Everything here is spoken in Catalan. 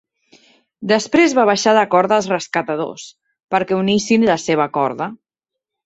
Després va baixar la corda als rescatadors, perquè unissin la seva corda.